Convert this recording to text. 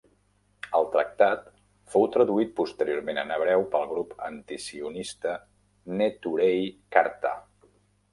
El tractat fou traduït posteriorment en hebreu pel grup antisionista Neturei Karta.